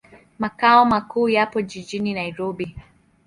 Makao makuu yapo jijini Nairobi.